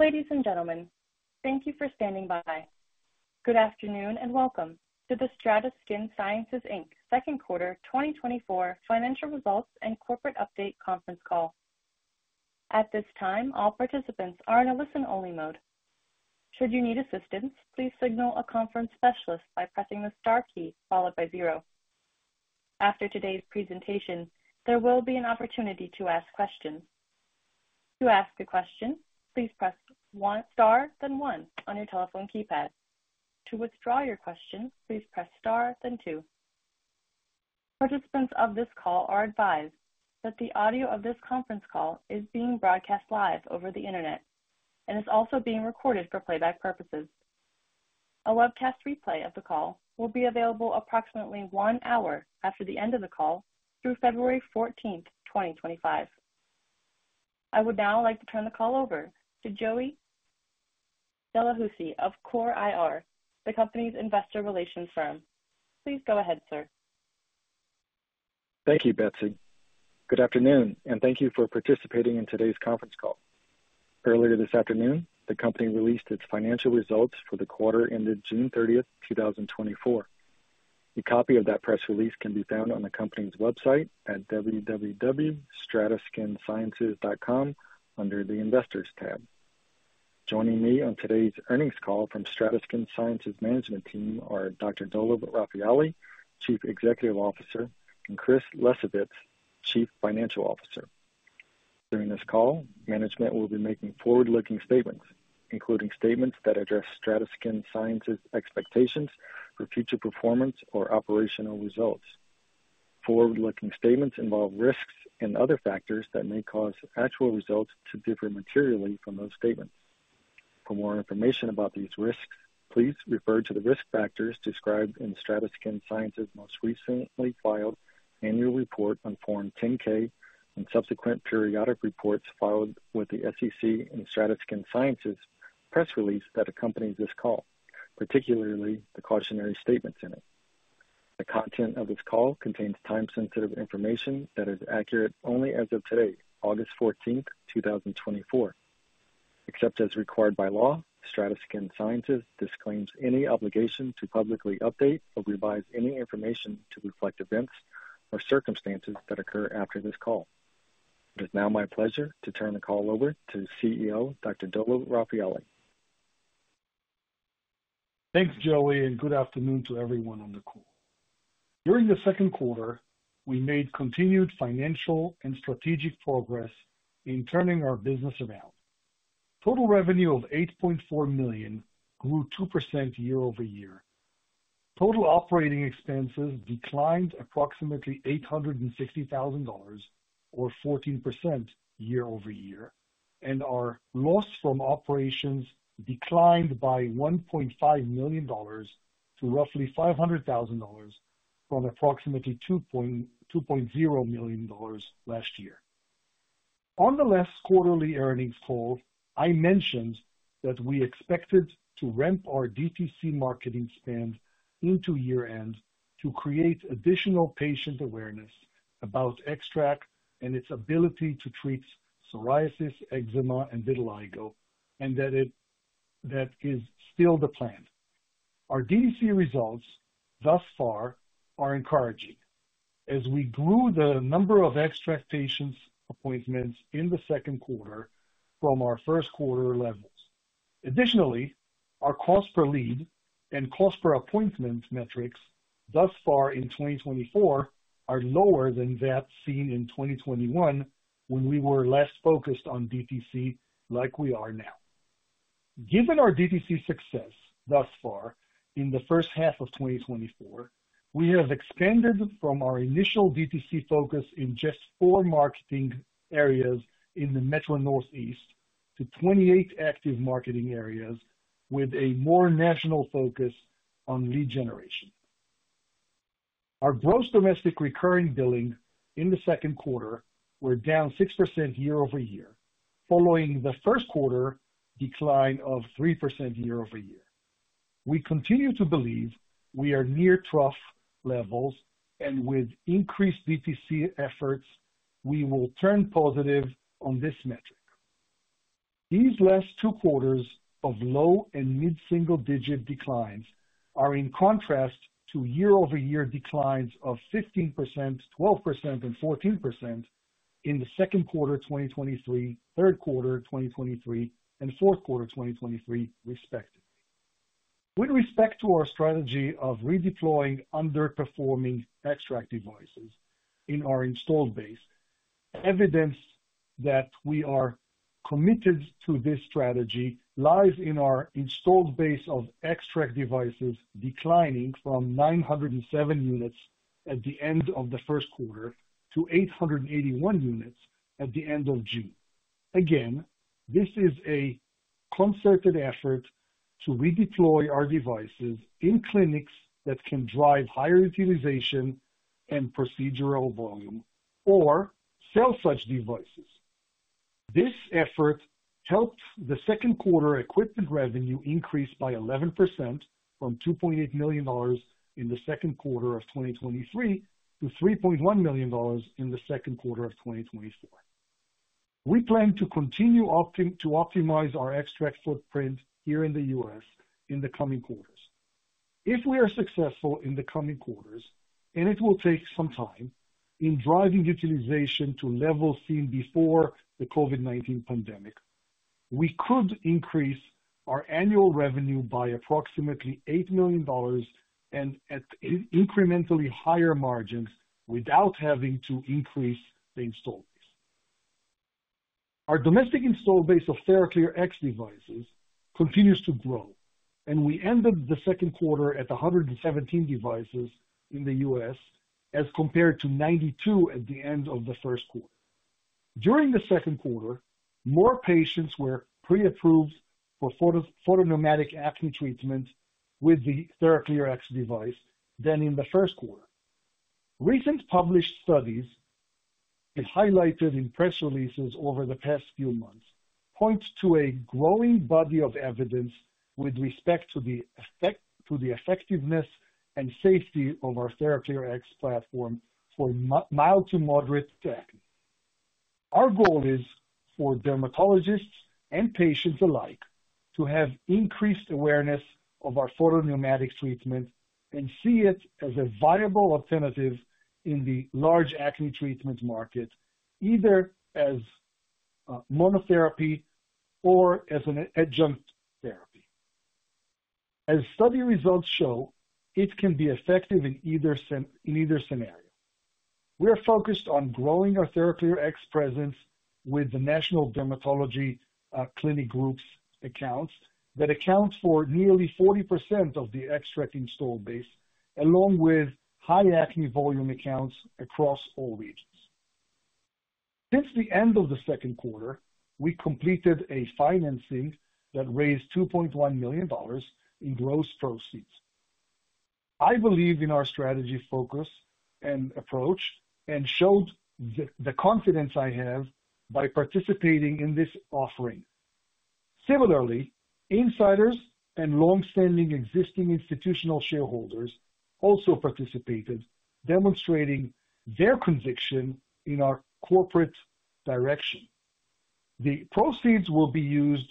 Ladies and gentlemen, th`ank you for standing by. Good afternoon, and welcome to the STRATA Skin Sciences Inc. Second Quarter 2024 Financial Results and Corporate Update conference call. At this time, all participants are in a listen-only mode. Should you need assistance, please signal a conference specialist by pressing the star key followed by zero. After today's presentation, there will be an opportunity to ask questions. To ask a question, please press star, then one on your telephone keypad. To withdraw your question, please press star, then two. Participants of this call are advised that the audio of this conference call is being broadcast live over the Internet and is also being recorded for playback purposes. A webcast replay of the call will be available approximately one hour after the end of the call through February 14th, 2025. I would now like to turn the call over to Joey Delahoussaye of CORE IR, the company's investor relations firm. Please go ahead, sir. Thank you, Betsy. Good afternoon, and thank you for participating in today's conference call. Earlier this afternoon, the company released its financial results for the quarter ended June 30th, 2024. A copy of that press release can be found on the company's website at www.strataskinsciences.com under the Investors tab. Joining me on today's earnings call from STRATA Skin Sciences management team are Dr. Dolev Rafaeli, Chief Executive Officer, and Chris Lesovitz, Chief Financial Officer. During this call, management will be making forward-looking statements, including statements that address STRATA Skin Sciences expectations for future performance or operational results. Forward-looking statements involve risks and other factors that may cause actual results to differ materially from those statements. For more information about these risks, please refer to the risk factors described in STRATA Skin Sciences' most recently filed annual report on Form 10-K and subsequent periodic reports filed with the SEC and STRATA Skin Sciences press release that accompanies this call, particularly the cautionary statements in it. The content of this call contains time-sensitive information that is accurate only as of today, August 14th, 2024. Except as required by law, STRATA Skin Sciences disclaims any obligation to publicly update or revise any information to reflect events or circumstances that occur after this call. It is now my pleasure to turn the call over to CEO, Dr. Dolev Rafaeli. Thanks, Joey, and good afternoon to everyone on the call. During the second quarter, we made continued financial and strategic progress in turning our business around. Total revenue of $8.4 million grew 2% year-over-year. Total operating expenses declined approximately $860,000 or 14% year-over-year, and our loss from operations declined by $1.5 million to roughly $500,000 from approximately $2, $2.0 million last year. On the last quarterly earnings call, I mentioned that we expected to ramp our DTC marketing spend into year-end to create additional patient awareness about XTRAC and its ability to treat psoriasis, eczema, and vitiligo, and that it, that is still the plan. Our DTC results thus far are encouraging as we grew the number of XTRAC patients' appointments in the second quarter from our first quarter levels. Additionally, our cost per lead and cost per appointment metrics thus far in 2024 are lower than that seen in 2021 when we were less focused on DTC like we are now. Given our DTC success thus far in the first half of 2024, we have expanded from our initial DTC focus in just four marketing areas in the metro Northeast to 28 active marketing areas with a more national focus on lead generation. Our gross domestic recurring billings in the second quarter were down 6% year-over-year, following the first quarter decline of 3% year-over-year. We continue to believe we are near trough levels and with increased DTC efforts, we will turn positive on this metric. These last two quarters of low and mid-single-digit declines are in contrast to year-over-year declines of 15%, 12%, and 14% in the second quarter of 2023, third quarter of 2023, and fourth quarter of 2023, respectively. With respect to our strategy of redeploying underperforming XTRAC devices in our installed base, evidence that we are committed to this strategy lies in our installed base of XTRAC devices, declining from 907 units at the end of the first quarter to 881 units at the end of June. Again, this is a concerted effort to redeploy our devices in clinics that can drive higher utilization and procedural volume or sell such devices. This effort helped the second quarter equipment revenue increase by 11% from $2.8 million in the second quarter of 2023 to $3.1 million in the second quarter of 2024. We plan to continue to optimize our XTRAC footprint here in the US in the coming quarters. If we are successful in the coming quarters, and it will take some time, in driving utilization to levels seen before the COVID-19 pandemic, we could increase our annual revenue by approximately $8 million and at incrementally higher margins without having to increase the install base. Our domestic install base of TheraClearX devices continues to grow, and we ended the second quarter at 117 devices in the U.S., as compared to 92 at the end of the first quarter. During the second quarter, more patients were pre-approved for photodynamic acne treatment with the TheraClearX device than in the first quarter. Recent published studies, as highlighted in press releases over the past few months, points to a growing body of evidence with respect to the effectiveness and safety of our TheraClearX platform for mild to moderate acne. Our goal is for dermatologists and patients alike to have increased awareness of our photodynamic treatment and see it as a viable alternative in the large acne treatment market, either as, monotherapy or as an adjunct therapy. As study results show, it can be effective in either scenario. We are focused on growing our TheraClearX presence with the national dermatology clinic groups accounts, that account for nearly 40% of the XTRAC install base, along with high acne volume accounts across all regions. Since the end of the second quarter, we completed a financing that raised $2.1 million in gross proceeds. I believe in our strategy, focus, and approach, and showed the confidence I have by participating in this offering. Similarly, insiders and long-standing existing institutional shareholders also participated, demonstrating their conviction in our corporate direction. The proceeds will be used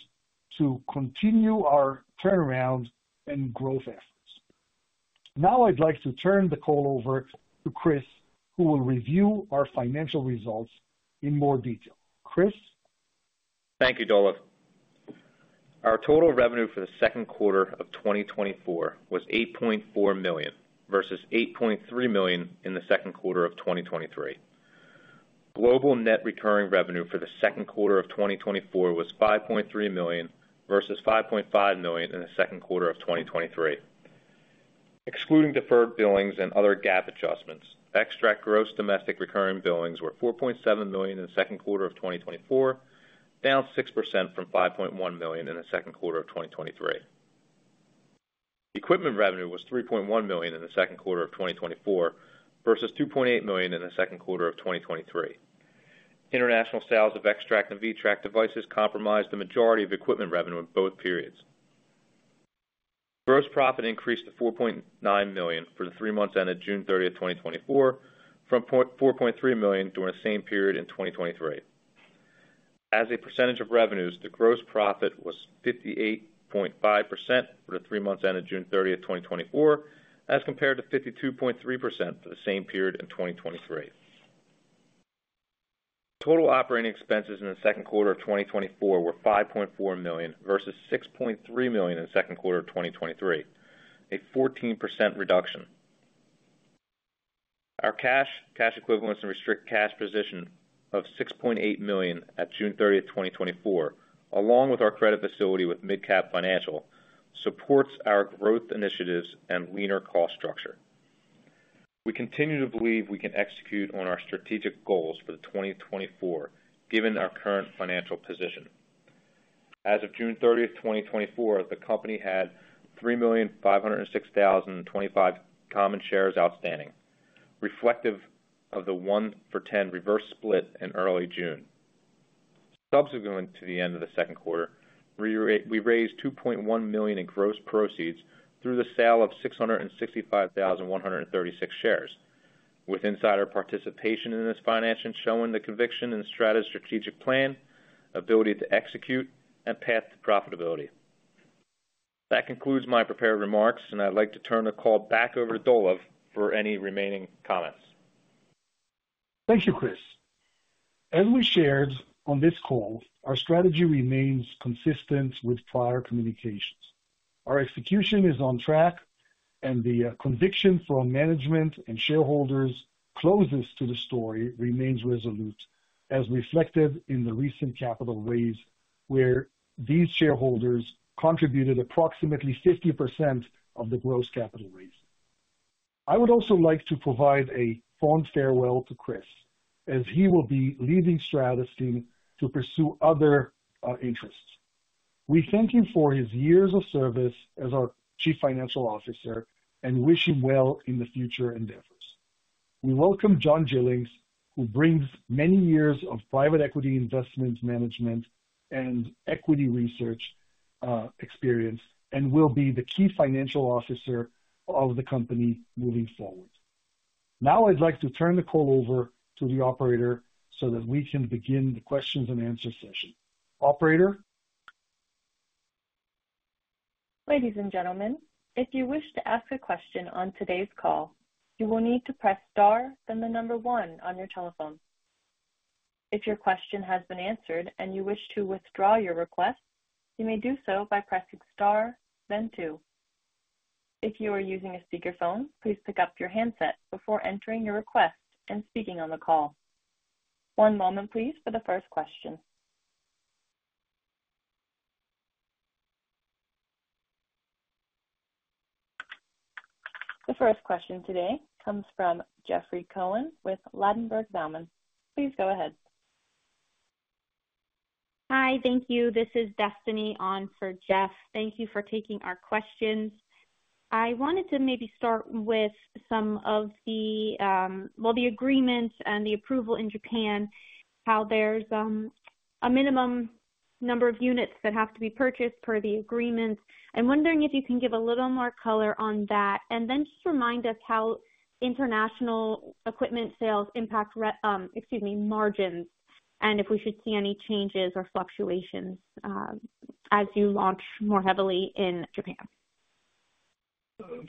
to continue our turnaround and growth efforts. Now I'd like to turn the call over to Chris, who will review our financial results in more detail. Chris? Thank you, Dolev. Our total revenue for the second quarter of 2024 was $8.4 million versus $8.3 million in the second quarter of 2023. Global net recurring revenue for the second quarter of 2024 was $5.3 million, versus $5.5 million in the second quarter of 2023. Excluding deferred billings and other GAAP adjustments, XTRAC gross domestic recurring billings were $4.7 million in the second quarter of 2024, down 6% from $5.1 million in the second quarter of 2023. Equipment revenue was $3.1 million in the second quarter of 2024, versus $2.8 million in the second quarter of 2023. International sales of XTRAC and VTRAC devices comprised the majority of equipment revenue in both periods. Gross profit increased to $4.9 million for the three months ended June 30, 2024, from $4.3 million during the same period in 2023. As a percentage of revenues, the gross profit was 58.5% for the three months ended June 30th, 2024, as compared to 52.3% for the same period in 2023. Total operating expenses in the second quarter of 2024 were $5.4 million, versus $6.3 million in the second quarter of 2023, a 14% reduction. Our cash, cash equivalents, and restricted cash position of $6.8 million at June 30th, 2024, along with our credit facility with MidCap Financial, supports our growth initiatives and leaner cost structure. We continue to believe we can execute on our strategic goals for 2024, given our current financial position. As of June 30th, 2024, the company had 3,506,025 common shares outstanding, reflective of the 1-for-10 reverse split in early June. Subsequent to the end of the second quarter, we raised $2.1 million in gross proceeds through the sale of 665,136 shares, with insider participation in this financing, showing the conviction in STRATA's strategic plan, ability to execute, and path to profitability. That concludes my prepared remarks, and I'd like to turn the call back over to Dolev for any remaining comments. Thank you, Chris. As we shared on this call, our strategy remains consistent with prior communications. Our execution is on track, and the conviction from management and shareholders closest to the story remains resolute, as reflected in the recent capital raise, where these shareholders contributed approximately 50% of the gross capital raise. I would also like to provide a fond farewell to Chris, as he will be leaving STRATA to pursue other interests. We thank him for his years of service as our Chief Financial Officer and wish him well in the future endeavors. We welcome John Gillings, who brings many years of private equity investment management and equity research experience, and will be the Chief Financial Officer of the company moving forward. Now I'd like to turn the call over to the operator so that we can begin the questions and answer session. Operator? Ladies and gentlemen, if you wish to ask a question on today's call, you will need to press star, then the number one on your telephone. If your question has been answered and you wish to withdraw your request, you may do so by pressing star, then two. If you are using a speakerphone, please pick up your handset before entering your request and speaking on the call. One moment please for the first question. The first question today comes from Jeffrey Cohen with Ladenburg Thalmann. Please go ahead. Hi, thank you. This is Destiny on for Jeff. Thank you for taking our questions. I wanted to maybe start with some of the, well, the agreements and the approval in Japan, how there's a minimum number of units that have to be purchased per the agreement. I'm wondering if you can give a little more color on that, and then just remind us how international equipment sales impact margins, and if we should see any changes or fluctuations, as you launch more heavily in Japan.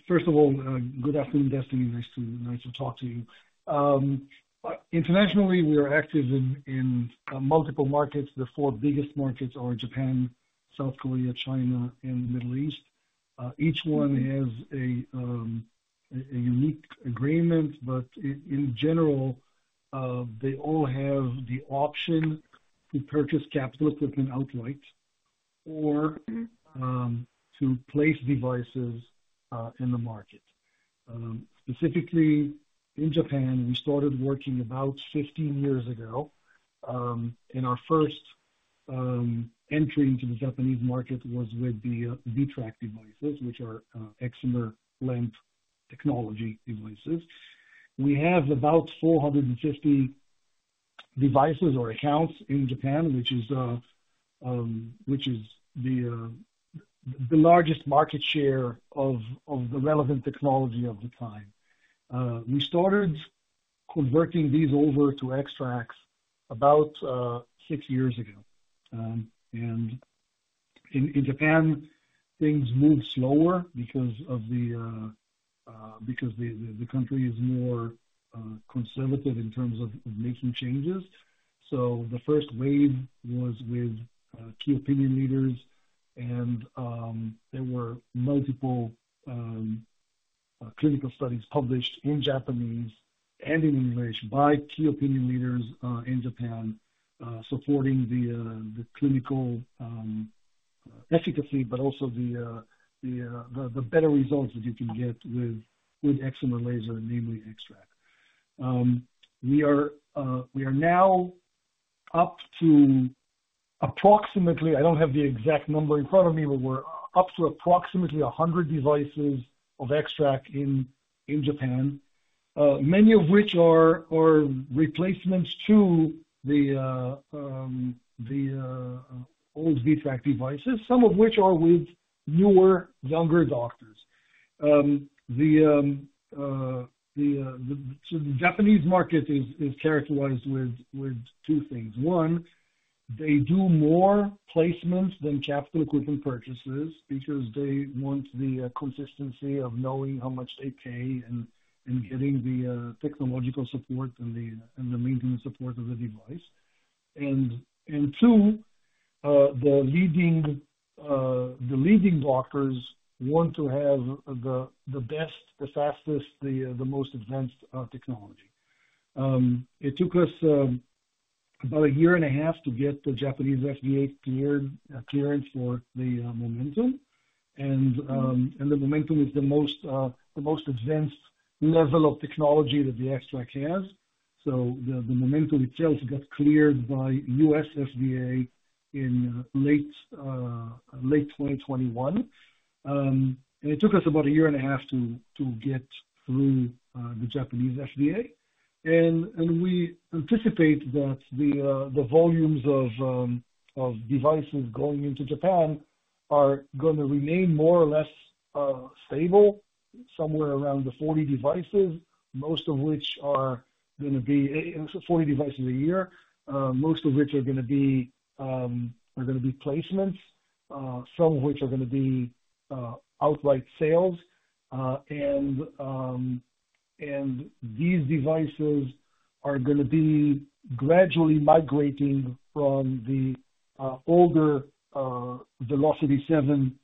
First of all, good afternoon, Destiny. Nice to talk to you. Internationally, we are active in multiple markets. The 4 biggest markets are Japan, South Korea, China, and the Middle East. Each one has a unique agreement, but in general, they all have the option to purchase capital equipment outright or to place devices in the market. Specifically in Japan, we started working about 15 years ago, and our first entry into the Japanese market was with the VTRAC devices, which are excimer lamp technology devices. We have about 450 devices or accounts in Japan, which is the largest market share of the relevant technology of the time. We started converting these over to XTRAC about 6 years ago. In Japan, things move slower because the country is more conservative in terms of making changes. So the first wave was with key opinion leaders, and there were multiple clinical studies published in Japanese and in English by key opinion leaders in Japan supporting the clinical efficacy, but also the better results that you can get with excimer laser, namely XTRAC. We are now up to approximately, I don't have the exact number in front of me, but we're up to approximately 100 devices of XTRAC in Japan, many of which are replacements to the old VTRAC devices, some of which are with newer, younger doctors. So the Japanese market is characterized with two things. One, they do more placements than capital equipment purchases because they want the consistency of knowing how much they pay and getting the technological support and the maintenance support of the device. And two, the leading doctors want to have the best, the fastest, the most advanced technology. It took us about a year and a half to get the Japanese FDA clearance for the Momentum. And the Momentum is the most advanced level of technology that the XTRAC has. So the Momentum itself got cleared by US FDA in late 2021. And it took us about a year and a half to get through the Japanese FDA. And we anticipate that the volumes of devices going into Japan are going to remain more or less stable, somewhere around the 40 devices, most of which are going to be 40 devices a year, most of which are going to be placements, some of which are going to be outright sales. And these devices are going to be gradually migrating from the older Velocity 7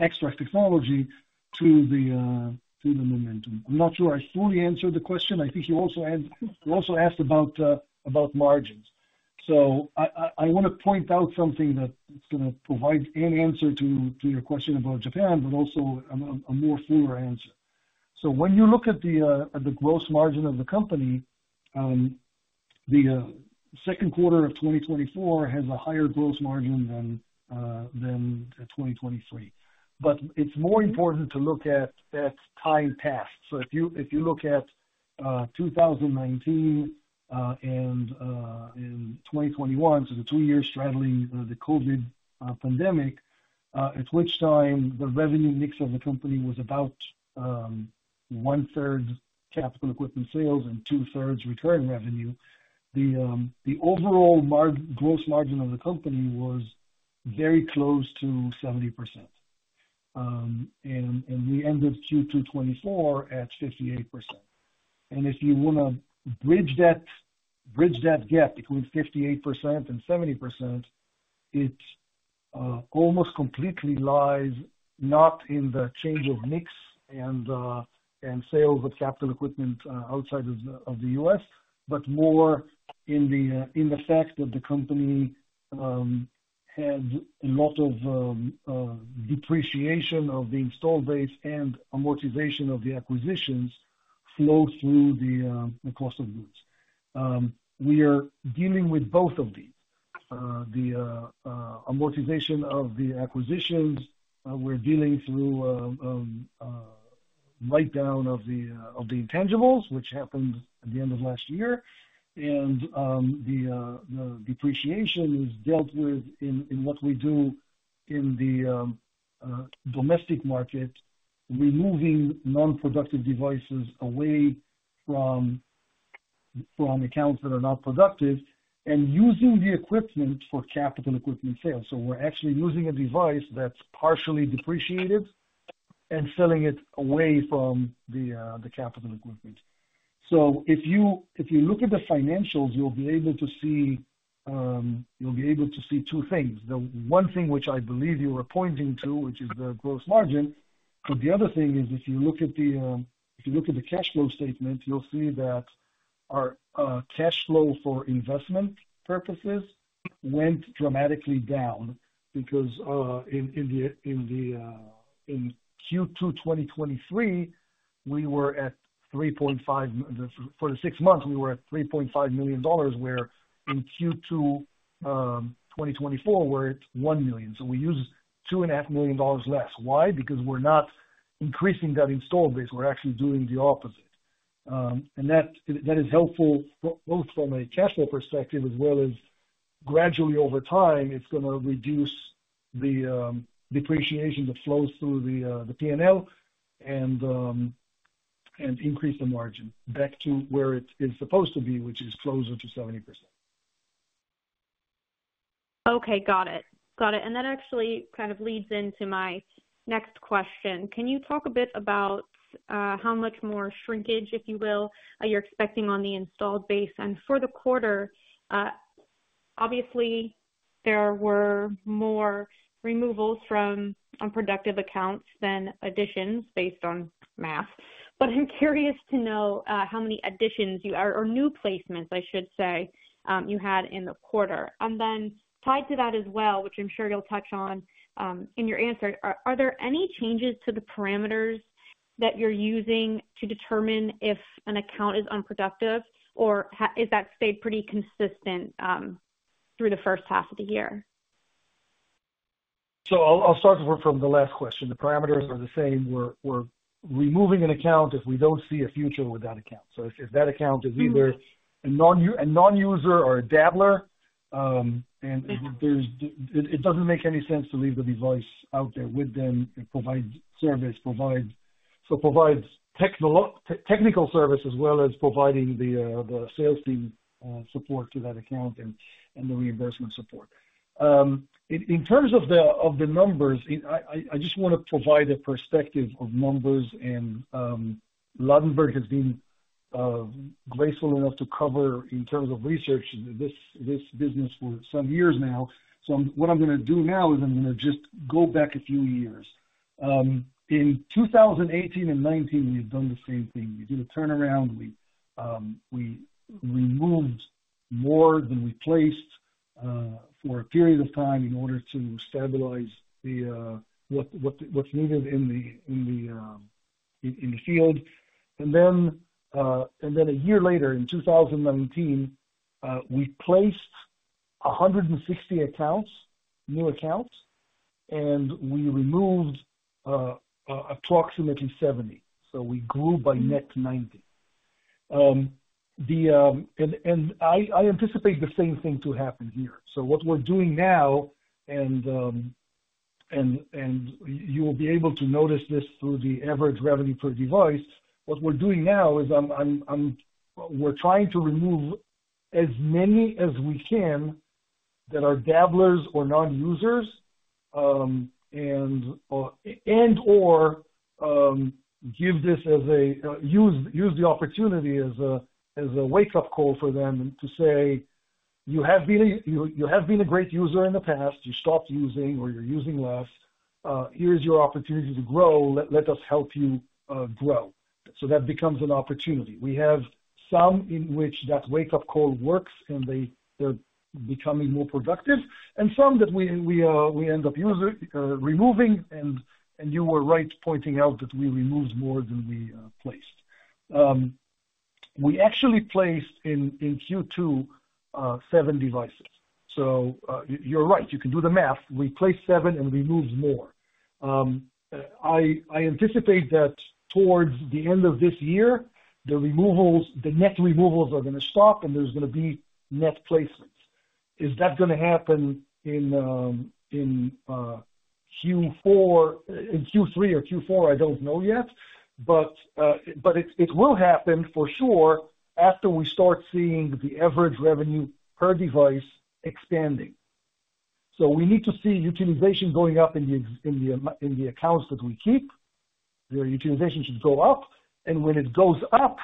XTRAC technology to the Momentum. I'm not sure I fully answered the question. I think you also asked about margins. So I want to point out something that's going to provide an answer to your question about Japan, but also a more fuller answer. So when you look at the gross margin of the company, the second quarter of 2024 has a higher gross margin than 2023. But it's more important to look at that time passed. So if you look at 2019 and 2021, so the two years straddling the COVID pandemic, at which time the revenue mix of the company was about one third capital equipment sales and two-thirds recurring revenue. The overall gross margin of the company was very close to 70%, and we ended Q2 2024 at 58%. If you want to bridge that gap between 58% and 70%, it almost completely lies not in the change of mix and sales of capital equipment outside of the U.S., but more in the fact that the company had a lot of depreciation of the install base and amortization of the acquisitions flow through the cost of goods. We are dealing with both of these. The amortization of the acquisitions, we're dealing through write down of the intangibles, which happened at the end of last year. The depreciation is dealt with in what we do in the domestic market, removing non-productive devices away from accounts that are not productive and using the equipment for capital equipment sales. So we're actually using a device that's partially depreciated and selling it away from the capital equipment. So if you look at the financials, you'll be able to see two things. The one thing, which I believe you were pointing to, which is the gross margin. But the other thing is, if you look at the cash flow statement, you'll see that our cash flow for investment purposes went dramatically down because in Q2 2023, we were at $3.5... For the six months, we were at $3.5 million, where in Q2 2024, we're at $1 million. So we use $2.5 million less. Why? Because we're not increasing that install base. We're actually doing the opposite. And that is helpful both from a cash flow perspective as well as gradually over time, it's gonna reduce the depreciation that flows through the P&L and increase the margin back to where it is supposed to be, which is closer to 70%. Okay, got it. Got it, and that actually kind of leads into my next question. Can you talk a bit about how much more shrinkage, if you will, are you expecting on the installed base? And for the quarter, obviously there were more removals from unproductive accounts than additions based on math. But I'm curious to know how many additions you are, or new placements, I should say, you had in the quarter. And then tied to that as well, which I'm sure you'll touch on in your answer, are there any changes to the parameters that you're using to determine if an account is unproductive, or is that stayed pretty consistent through the first half of the year? So I'll start from the last question. The parameters are the same. We're removing an account if we don't see a future with that account. So if that account is either- Mm-hmm. a non-user or a dabbler, and it doesn't make any sense to leave the device out there with them and provide service, provide. So provides technical service as well as providing the sales team support to that account and the reimbursement support. In terms of the numbers, I just want to provide a perspective of numbers, and Ladenburg has been graceful enough to cover in terms of research this business for some years now. So what I'm gonna do now is I'm gonna just go back a few years. In 2018 and 2019, we've done the same thing. We did a turnaround. We removed more than we placed for a period of time in order to stabilize what's needed in the field. And then a year later, in 2019, we placed 160 new accounts, and we removed approximately 70. So we grew by net 90. And I anticipate the same thing to happen here. So what we're doing now and you will be able to notice this through the average revenue per device. What we're doing now is we're trying to remove as many as we can that are dabblers or non-users, and/or use the opportunity as a wake-up call for them to say, "You have been a great user in the past. You stopped using or you're using less. Here's your opportunity to grow. Let us help you grow." So that becomes an opportunity. We have some in which that wake-up call works, and they're becoming more productive, and some that we end up removing. And you were right, pointing out that we removed more than we placed. We actually placed in Q2 7 devices. So you're right, you can do the math. We placed seven and removed more. I anticipate that towards the end of this year, the removals, the net removals are gonna stop, and there's gonna be net placements. Is that gonna happen in Q3 or Q4? I don't know yet, but it will happen for sure after we start seeing the average revenue per device expanding. So we need to see utilization going up in the accounts that we keep. The utilization should go up, and when it goes up,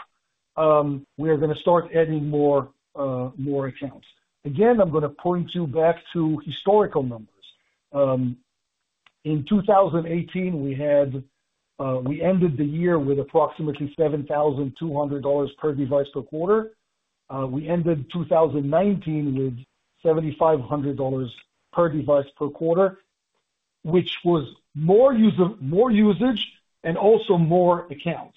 we are gonna start adding more accounts. Again, I'm gonna point you back to historical numbers. In 2018, we ended the year with approximately $7,200 per device per quarter. We ended 2019 with $7,500 per device per quarter, which was more user, more usage and also more accounts.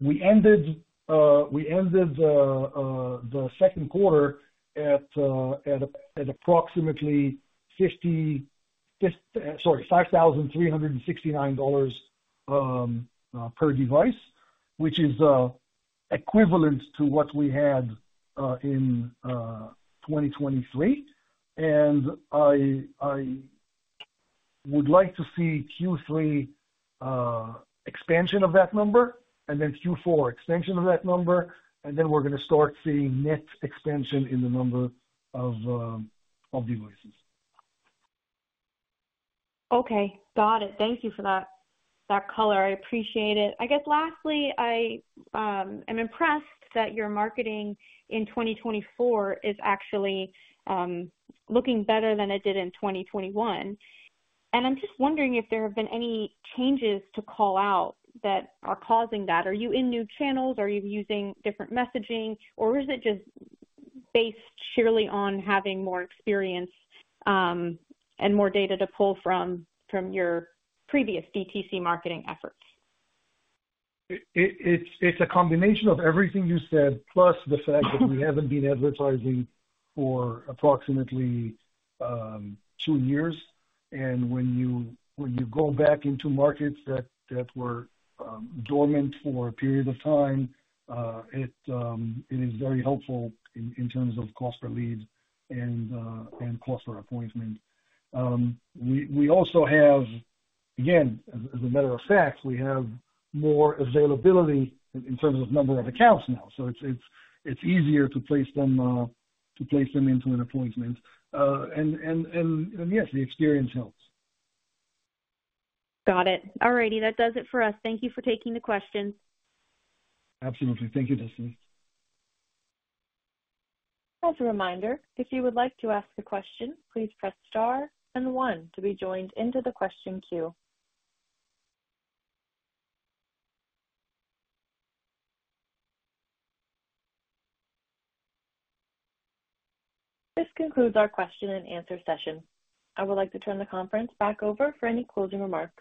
We ended the second quarter at approximately fifty, fifty, sorry, $5,369 per device, which is equivalent to what we had in 2023. And I would like to see Q3 expansion of that number and then Q4 expansion of that number, and then we're gonna start seeing net expansion in the number of devices. Okay, got it. Thank you for that, that color. I appreciate it. I guess lastly, I am impressed that your marketing in 2024 is actually looking better than it did in 2021. And I'm just wondering if there have been any changes to call out that are causing that. Are you in new channels? Are you using different messaging, or is it just based sheerly on having more experience and more data to pull from, from your previous DTC marketing efforts? It's a combination of everything you said, plus the fact that we haven't been advertising for approximately two years. And when you go back into markets that were dormant for a period of time, it is very helpful in terms of cost per lead and cost per appointment. We also have, again, as a matter of fact, more availability in terms of number of accounts now. So it's easier to place them into an appointment. And yes, the experience helps. Got it. All righty, that does it for us. Thank you for taking the questions. Absolutely. Thank you, Destiny. As a reminder, if you would like to ask a question, please press Star and one to be joined into the question queue. This concludes our question and answer session. I would like to turn the conference back over for any closing remarks.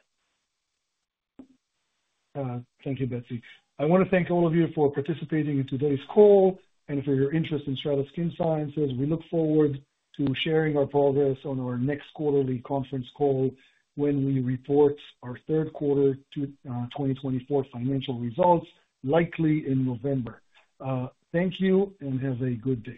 Thank you, Betsy. I want to thank all of you for participating in today's call and for your interest in STRATA Skin Sciences. We look forward to sharing our progress on our next quarterly conference call when we report our third quarter to 2024 financial results, likely in November. Thank you and have a good day.